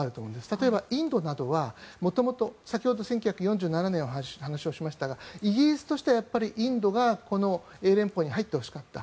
例えばインドなどは先ほど、１９４７年の話をしましたがイギリスとしてはインドが英連邦に入ってほしかった。